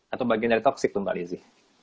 atau bagian dari toxic tuh mbak lizzie